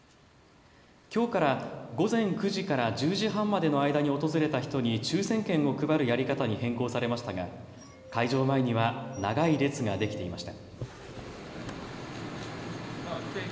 きょうから午前９時から１０時半までの間に訪れた人に抽せん券を配るやり方に変更されましたが会場前には長い列ができていました。